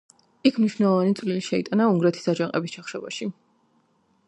იქ მნიშვნელოვანი წვლილი შეიტანა უნგრეთის აჯანყების ჩახშობაში.